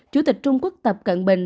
chủ tịch trung quốc tập cận bình